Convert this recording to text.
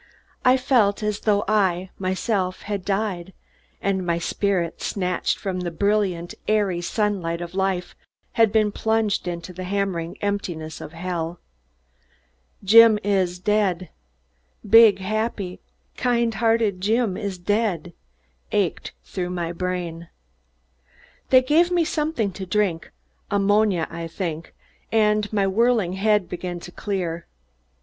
I felt as though I, myself, had died and my spirit, snatched from the brilliant, airy sunlight of life, had been plunged into the hammering emptiness of hell. "Jim is dead big, happy, kind hearted Jim is dead" ached through my brain. They gave me something to drink ammonia, I think and my whirling head began to clear.